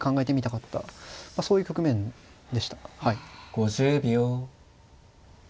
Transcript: ５０秒。